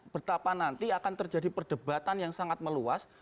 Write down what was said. betapa nanti akan terjadi perdebatan yang sangat meluas